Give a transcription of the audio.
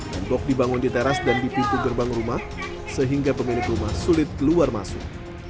tembok dibangun di teras dan di pintu gerbang rumah sehingga pemilik rumah sulit keluar masuk